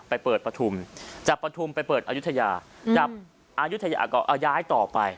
ไปเปิดปฐุมจับปฐุมไปเปิดอายุทยาจับอายุทยาก็เอาย้ายต่อไป